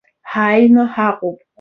Ҳааины ҳаҟоуп.